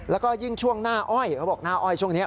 แล้วก็ยิ่งช่วงหน้าอ้อยเขาบอกหน้าอ้อยช่วงนี้